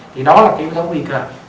thì đó là cái yếu tố quy cờ